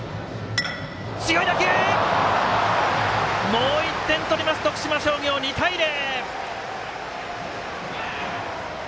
もう１点取ります、徳島商業２対０！